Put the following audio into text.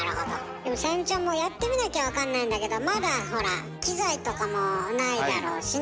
でもさゆみちゃんもやってみなきゃわかんないんだけどまだほら機材とかもないだろうしね。